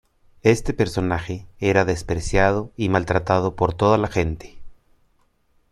Este personaje era despreciado y maltratado por toda la gente.